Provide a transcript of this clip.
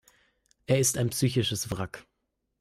Er ist ein psychisches Wrack.